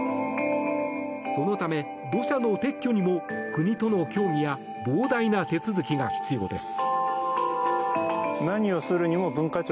そのため土砂の撤去にも国との協議や膨大な手続きが必要です。